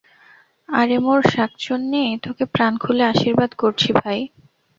আরে মোর শাঁকচুন্নী, তোকে প্রাণ খুলে আশীর্বাদ করছি ভাই।